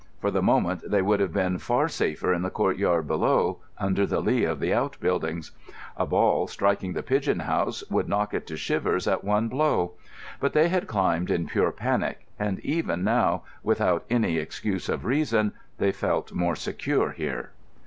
For the moment they would have been far safer in the courtyard below, under the lee of the outbuildings. A ball, striking the pigeon house, would knock it to shivers at one blow. But they had climbed in pure panic, and even now, without any excuse of reason, they felt more secure here.